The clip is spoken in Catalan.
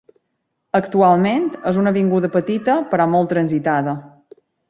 Actualment, és una avinguda petita però molt transitada.